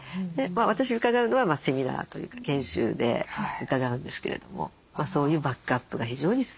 私伺うのはセミナーというか研修で伺うんですけれどもそういうバックアップが非常に進んでいると。